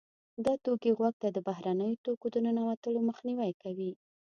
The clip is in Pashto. دا توکي غوږ ته د بهرنیو توکو د ننوتلو مخنیوی کوي.